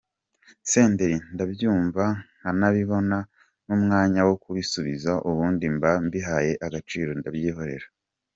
Senderi: Ndabyumva nkanabibona, n’umwanya wo kubisubiza ubundi mba mbihaye agaciro ndabyihorera.